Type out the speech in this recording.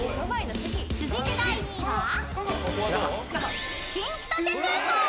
［続いて第２位は？］